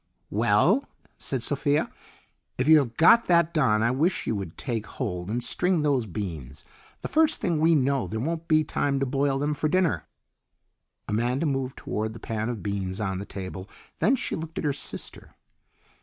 "Well," said Sophia, "if you have got that done I wish you would take hold and string those beans. The first thing we know there won't be time to boil them for dinner." Amanda moved toward the pan of beans on the table, then she looked at her sister.